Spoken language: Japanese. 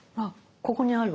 ここにあるある。